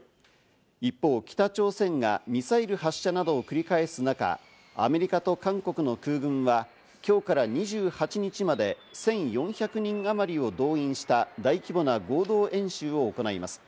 一方、北朝鮮がミサイル発射などを繰り返す中、アメリカと韓国の空軍は今日から２８日まで１４００人あまりを動員した大規模な合同演習を行います。